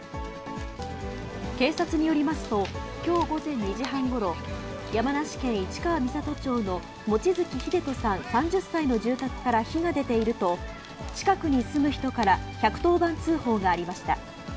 警察によりますと、きょう午前２時半ごろ、山梨県市川三郷町の、望月秀人さん３０歳の住宅から火が出ていると、近くに住む人から１１０番通報がありました。